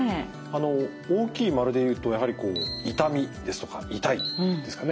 あの大きい丸でいうとやはり「痛み」ですとか「痛い」ですかね。